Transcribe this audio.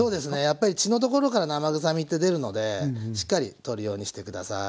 やっぱり血のところから生臭みって出るのでしっかり取るようにして下さい。